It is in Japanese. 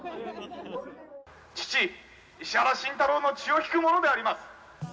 父・石原慎太郎の血を引く者であります。